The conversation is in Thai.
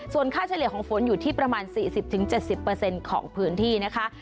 ส่วนค่าเฉลี่ยของฝนอยู่ที่ประมาณสี่สิบถึงเจ็ดสิบเปอร์เซ็นต์ของพื้นที่นะคะ